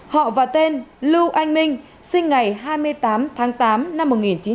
họ và tên lưu anh minh sinh ngày hai mươi tám tháng tám năm một nghìn chín trăm bảy mươi